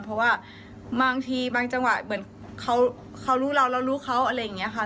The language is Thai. เพราะว่าบางทีบางจังหวะเหมือนเขารู้เราเรารู้เขาอะไรอย่างนี้ค่ะ